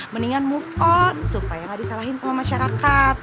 mendingan move on supaya nggak disalahin sama masyarakat